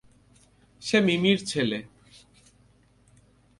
সে মিমি-র ছেলে।